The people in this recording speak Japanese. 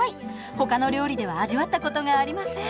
ほかの料理では味わったことがありません。